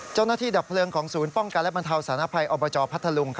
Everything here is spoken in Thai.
เจ้าหน้าที่ดับเพลิงของศูนย์ป้องกันและบรรเทาศาลภัยอบจพัทธลุง